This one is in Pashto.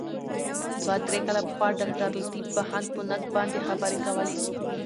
دوه درې کاله پخوا ډاګټرلطیف بهاند په نقد باندي خبري کولې.